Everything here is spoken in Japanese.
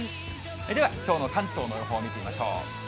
ではきょうの関東の予報を見てみましょう。